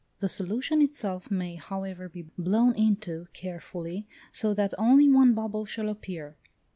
The solution itself may, however, be blown into carefully, so that only one bubble shall appear.